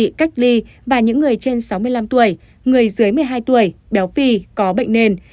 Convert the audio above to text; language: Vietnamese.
bị cách ly và những người trên sáu mươi năm tuổi người dưới một mươi hai tuổi béo phì có bệnh nền